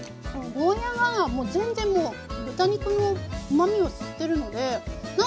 ゴーヤーがもう全然もう豚肉のうまみを吸ってるので何だろもう。